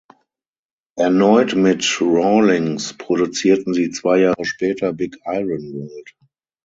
Erneut mit Rawlings produzierten sie zwei Jahre später "Big Iron World".